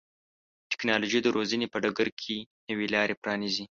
ټکنالوژي د روزنې په ډګر کې نوې لارې پرانیزي.